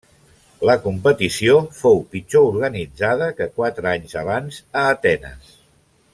La competició fou pitjor organitzada que quatre anys abans a Atenes.